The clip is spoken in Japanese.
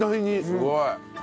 すごい！